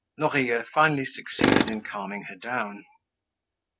Lorilleux finally succeeded in calming her down.